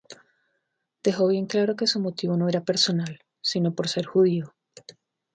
Dejó bien claro que su motivo no era personal, sino por ser judío.